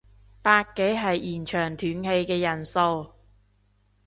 百幾係現場斷氣嘅人數